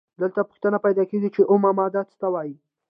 دلته پوښتنه پیدا کیږي چې اومه ماده څه ته وايي؟